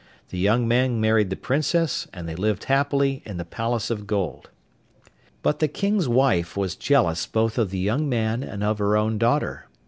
The young man married the Princess, and they lived happily in the palace of gold. But the King's wife was jealous both of the young man and of her own daughter.